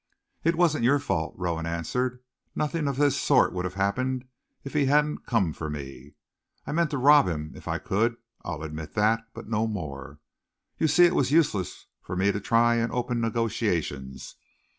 "It wasn't your fault," Rowan answered. "Nothing of this sort would have happened if he hadn't come for me. I meant to rob him if I could I'll admit that but no more. You see it was useless for me to try and open negotiations.